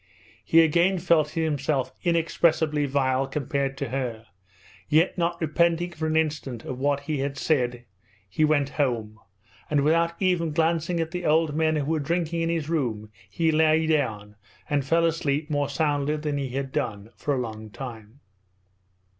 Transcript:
He again felt himself inexpressibly vile compared to her, yet not repenting for an instant of what he had said he went home, and without even glancing at the old men who were drinking in his room he lay down and fell asleep more soundly than he had done for a long time.